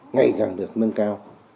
ngày càng được nâng cao